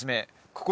ここ